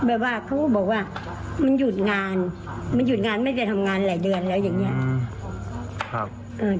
เขาบอกว่ามันหยุดงานไม่ได้ทำงานหลายเดือนแล้วอย่างนี้